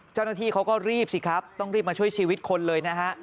เจ้าหน้าที่เขาก็รีบสิครับต้องรีบมาช่วยชีวิตคนเลยนะฮะ